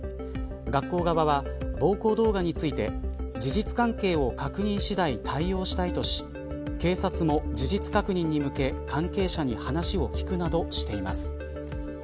学校側は、暴行動画について事実関係を確認次第対応したいとし警察も事実確認に向け関係性に話を聞くなどしています。